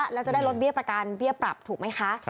แล้วจะได้ลดเบี้ยประกันเบี้ยปรับถูกไหมคะ